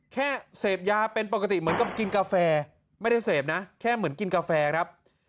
เสพยาเป็นปกติเหมือนกับกินกาแฟไม่ได้เสพนะแค่เหมือนกินกาแฟครับ